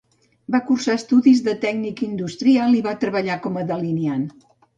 Va cursar estudis de tècnic industrial i va treballar com a delineant.